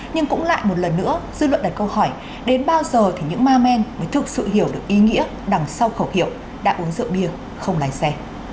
nhưng cũng lại một lần nữa dư luận đặt câu hỏi đến bao giờ thì những ma men mới thực sự hiểu được ý nghĩa đằng sau khẩu hiệu đã uống rượu bia không lái xe